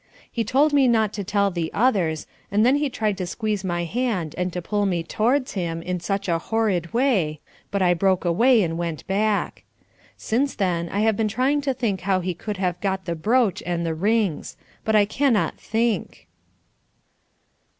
He told me not to tell the others, and then he tried to squeeze my hand and to pull me towards him, in such a horrid way, but I broke away and went back. Since then I have been trying to think how he could have got the brooch and the rings. But I cannot think.